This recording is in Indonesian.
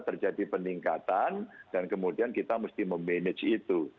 terjadi peningkatan dan kemudian kita mesti memanage itu